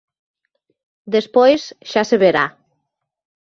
Despois, xa se verá.